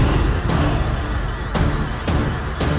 apa susah lu